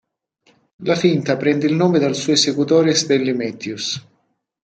La finta prende il nome dal suo esecutore Stanley Matthews.